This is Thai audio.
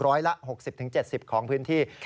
ร้อยละ๖๐๗๐ของพื้นที่